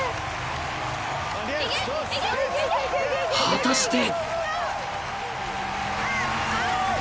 ［果たして］